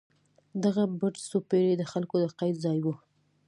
دغه برج څو پېړۍ د خلکو د قید ځای و.